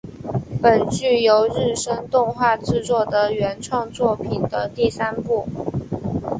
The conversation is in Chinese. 本剧由日升动画制作的原创作品的第三部。